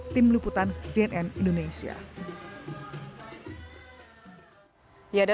tim luputan cnn indonesia